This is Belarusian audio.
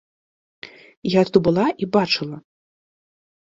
Я тут была і бачыла!